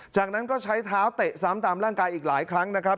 จากนั้นก็ใช้เท้าเตะซ้ำตามร่างกายอีกหลายครั้งนะครับ